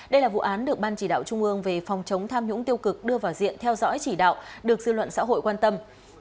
đây là vụ án được ban chỉ đạo trung ương về phòng chống tham nhũng tiêu cực đưa vào diện theo dõi chỉ đạo được dư luận xã hội quan tâm